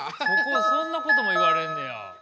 そんなことも言われんねや。